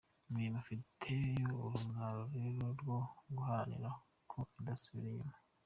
Mwe mufite urugamba rero rwo guharanira ko kidasubira inyuma.